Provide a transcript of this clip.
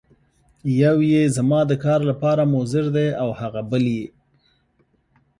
یو یې زما د کار لپاره مضر دی او هغه بل یې.